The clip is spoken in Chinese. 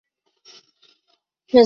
北齐洛阳人。